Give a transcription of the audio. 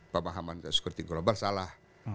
pemahaman security global salah